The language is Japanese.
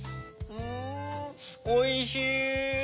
うんおいしい。